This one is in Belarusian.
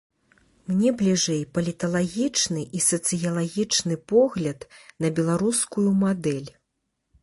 Мне бліжэй паліталагічны і сацыялагічны погляд на беларускую мадэль.